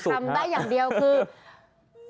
ทำได้อย่างเดียวคือ